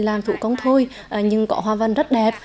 làm thủ công thôi nhưng có hoa văn rất đẹp